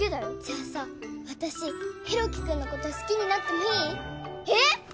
あさ私大樹君のこと好きになってもいい？えっ！？